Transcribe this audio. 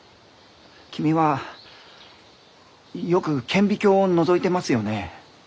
君はよく顕微鏡をのぞいてますよね？